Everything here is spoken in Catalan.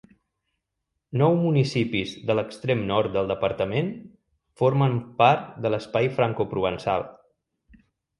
Nou municipis de l'extrem nord del departament formen part de l'espai francoprovençal.